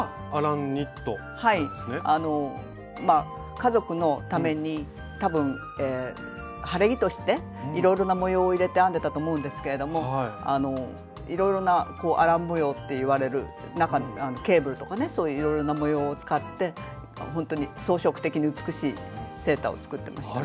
家族のためにたぶん晴れ着としていろいろな模様を入れて編んでたと思うんですけれどもいろいろなアラン模様っていわれるケーブルとかねそういういろいろな模様を使ってほんとに装飾的に美しいセーターを作ってましたね。